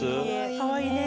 かわいい。